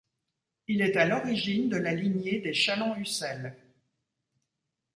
Il est à l'origine de la lignée des Challant-Ussel.